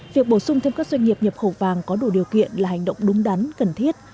việc bổ sung thêm các doanh nghiệp nhập khẩu vàng có đủ điều kiện là hành động đúng đắn cần thiết